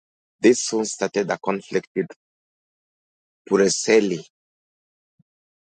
This soon started a conflict with Puricelli.